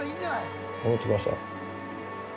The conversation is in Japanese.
戻ってきました。